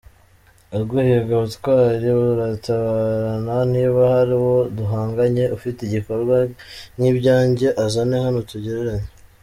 Uguhiga ubutwari muratabarana, niba hari uwo duhanganye ufite ibikorwa nk’ibyanjye azane hano tugereranye.